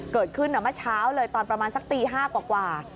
เกิดขึ้นเมื่อเช้าเลยตอนประมาณสักตี๕กว่า